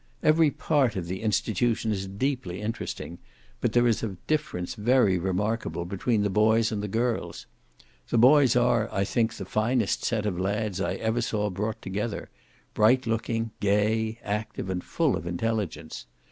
Every part of the institution is deeply interesting; but there is a difference very remarkable between the boys and the girls. The boys are, I think, the finest set of lads I ever saw brought together; bright looking, gay, active, and full of intelligence.